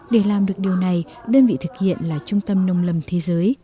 để làm được điều này đơn vị thực hiện là trung tâm nông lâm thế giới